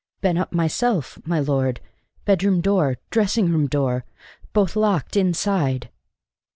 "Been up myself, my lord. Bedroom door dressing room door both locked inside!"